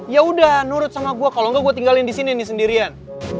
ya udah nurut sama gue kalo ngga gue tinggalin disini nih sendirian